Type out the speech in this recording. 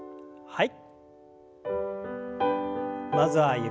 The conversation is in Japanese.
はい。